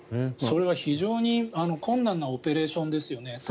それは非常に困難なオペレーションですよね。